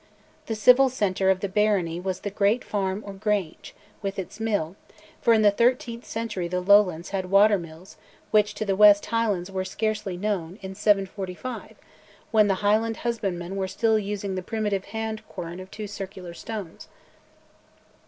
The civil centre of the barony was the great farm or grange, with its mill, for in the thirteenth century the Lowlands had water mills which to the west Highlands were scarcely known in 1745, when the Highland husbandmen were still using the primitive hand quern of two circular stones.